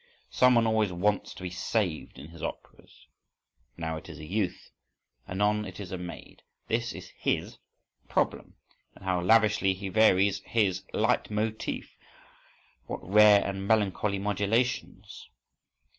Someone always wants to be saved in his operas,—now it is a youth; anon it is a maid,—this is his problem—And how lavishly he varies his leitmotif! What rare and melancholy modulations!